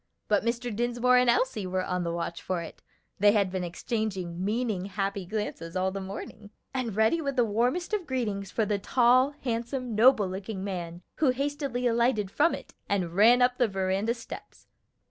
But Mr. Dinsmore and Elsie were on the watch for it (they had been exchanging meaning, happy glances all the morning), and ready with the warmest of greetings for the tall, handsome, noble looking man who hastily alighted from it and ran up the veranda steps.